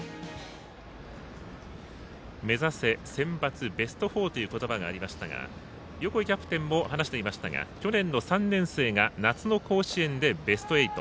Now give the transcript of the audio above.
目指せセンバツベスト４という言葉がありましたが横井キャプテンも話していましたが去年の３年生が夏の甲子園で、ベスト８。